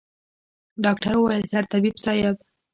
ډاکتر وويل سرطبيب صايب.